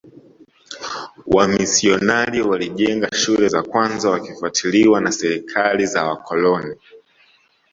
Wamisionari walijenga shule za kwanza wakifuatiliwa na serikali za wakoloni